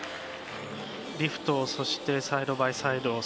リフト、そしてサイドバイサイド。